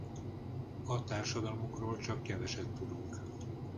A társadalmukról csak keveset tudunk.